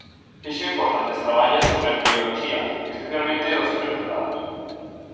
Fixo importantes traballos sobre embrioloxía, especialmente dos invertebrados.